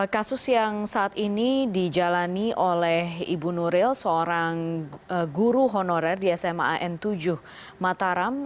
kasus yang saat ini dijalani oleh ibu nuril seorang guru honorer di sma n tujuh mataram